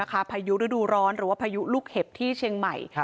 พายุฤดูร้อนหรือว่าพายุลูกเห็บที่เชียงใหม่